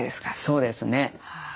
そうですね。